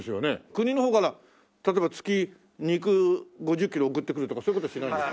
国の方から例えば月肉５０キロ送ってくるとかそういう事はしないんですか？